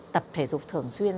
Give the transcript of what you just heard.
tập thể dục thường xuyên